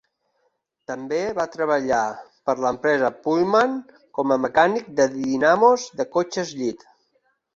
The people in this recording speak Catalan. També va treballar per l'empresa Pullman com a mecànic de dinamos de cotxes llit.